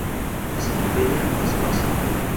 Enciclopedia Espasa.